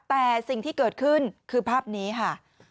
แต่สิ่งที่เกิดขึ้นคือภาพนี้ค่ะ